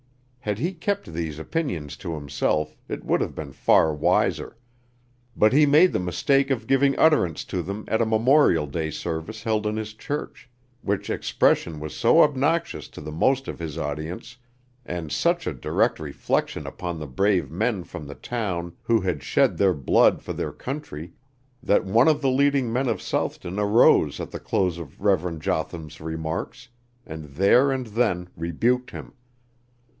Had he kept these opinions to himself it would have been far wiser; but he made the mistake of giving utterance to them at a Memorial Day service held in his church, which expression was so obnoxious to the most of his audience and such a direct reflection upon the brave men from the town who had shed their blood for their country that one of the leading men of Southton arose at the close of Rev. Jotham's remarks and there and then rebuked him.